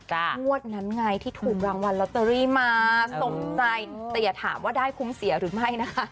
งวดนั้นไงที่ถูกรางวัลลอตเตอรี่มาสมใจแต่อย่าถามว่าได้คุ้มเสียหรือไม่นะคะ